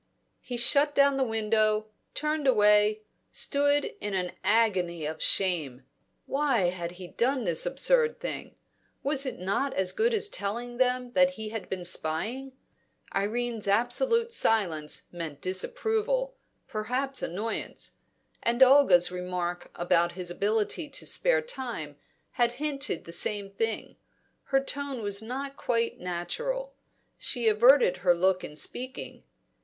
He shut down the window, turned away, stood in an agony of shame. Why had he done this absurd thing? Was it not as good as telling them that he had been spying? Irene's absolute silence meant disapproval, perhaps annoyance. And Olga's remark about his ability to spare time had hinted the same thing: her tone was not quite natural; she averted her look in speaking.